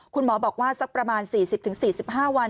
คุณหมอบอกว่าสักประมาณ๔๐๔๕วัน